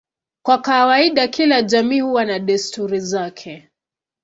Kwa kawaida kila jamii huwa na desturi zake.